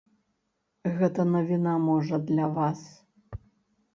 Гэта навіна, можа, для вас.